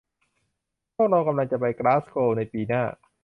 พวกเรากำลังจะไปกลาสโกวในปีหน้า